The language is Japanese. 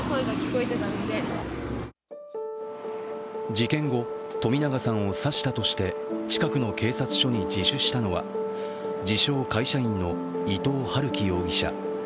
事件後、冨永さんを刺したとして近くの警察署に自首したのは自称・会社員の伊藤龍稀容疑者。